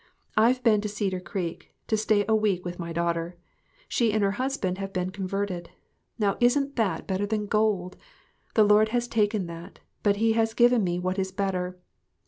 I've been to Cedar Creek to stay a week with my daughter. She and her husband have been converted. Now, isn't that better than gold ? The Lord has taken that, but he has given me what is better.